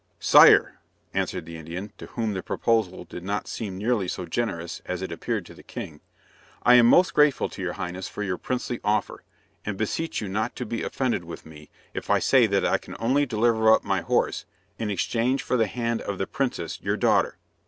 "Sire," answered the Indian, to whom the proposal did not seem nearly so generous as it appeared to the king, "I am most grateful to your Highness for your princely offer, and beseech you not to be offended with me if I say that I can only deliver up my horse in exchange for the hand of the princess your daughter."